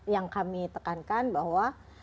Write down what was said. yang kami tekankan bahwa